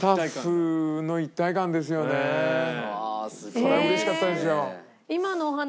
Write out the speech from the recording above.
それは嬉しかったですよ。